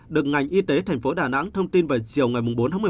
được ngành y tế thành phố đà nẵng thông tin vào chiều ngày bốn tháng một mươi một